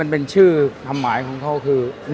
เป็นชื่อความหมายของเขาคือ